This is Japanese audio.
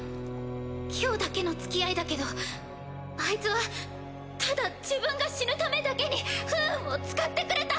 今日だけのつきあいだけどあいつはただ自分が死ぬためだけに不運を使ってくれた！